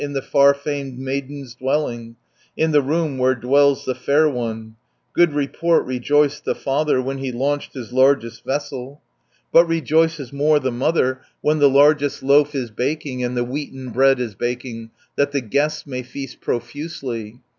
420 In the far famed maidens' dwelling, In the home where dwells the fair one; Good report rejoiced the father, When he launched his largest vessel; But rejoices more the mother, When the largest loaf is baking, And the wheaten bread is baking, That the guests may feast profusely.